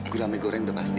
gula mie goreng udah pasti